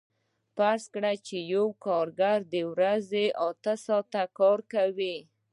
فرض کړئ چې یو کارګر د ورځې اته ساعته کار کوي